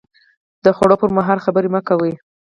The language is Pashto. د خوړو پر مهال خبرې مه کوئ